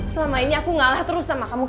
selama ini aku ngalah terus sama kamu